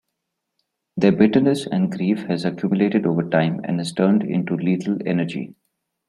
Their bitterness and grief has accumulated over time and has turned into lethal energy.